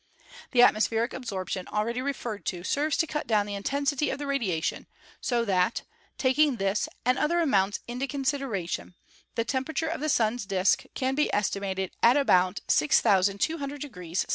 The atmospheric absorption already referred to serves to cut down the intensity of the radiation, so that, taking this and other amounts into con sideration, the temperature of the Sun's disk can be esti mated at about 6,200° C.